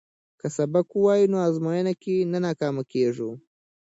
که سبق ووایو نو ازموینه کې نه ناکامیږو.